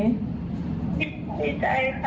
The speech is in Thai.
ดีใจค่ะ